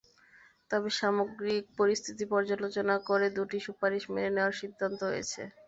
তবে সামগ্রিক পরিস্থিতি পর্যালোচনা করে দুটি সুপারিশ মেনে নেওয়ার সিদ্ধান্ত হয়েছে।